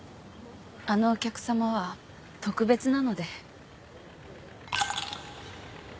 あのお客さまは特別なので。